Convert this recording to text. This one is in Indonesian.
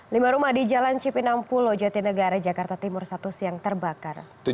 lima rumah di jalan cipinang pulau jati negara jakarta timur sabtu siang terbakar